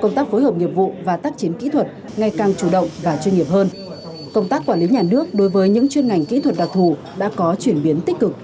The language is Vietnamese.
công tác phối hợp nghiệp vụ và tác chiến kỹ thuật ngày càng chủ động và chuyên nghiệp hơn công tác quản lý nhà nước đối với những chuyên ngành kỹ thuật đặc thù đã có chuyển biến tích cực